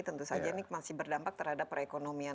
tentu saja ini masih berdampak terhadap perekonomian